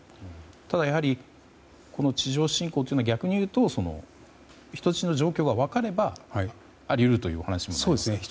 やはり地上侵攻というのは逆に言うと人質の状況が分かればあり得るというお話ですか？